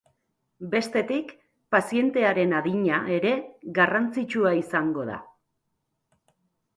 Bestetik pazientearen adina ere garrantzitsua izango da.